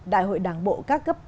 đại hội đảng bộ ca cấp